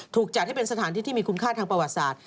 จัดให้เป็นสถานที่ที่มีคุณค่าทางประวัติศาสตร์